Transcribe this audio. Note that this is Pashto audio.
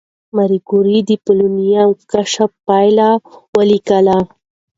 ماري کوري د پولونیم د کشف پایله ولیکله.